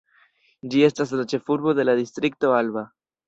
Ĝi estas la ĉefurbo de la Distrikto Alba.